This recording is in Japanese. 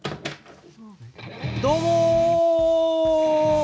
どうも！